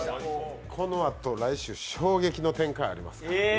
このあと来週、衝撃の展開がありますから。